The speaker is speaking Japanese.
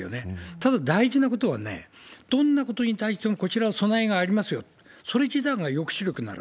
ただ、大事なことは、どんなことに対してもこちらは備えがありますよ、それ自体が抑止力になる。